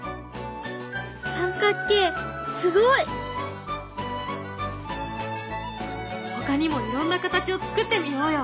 三角形すごい！ほかにもいろんな形を作ってみようよ。